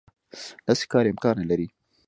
داسې کار امکان نه لري.